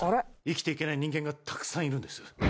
生きていけない人間がたくさんいるんです。